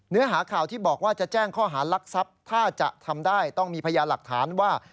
เนื้อหาข่าวที่บอกว่าจะแจ้งข้อหารักทรัพย์ถ้าจะทำได้ต้องมีพยานหลักฐานว่า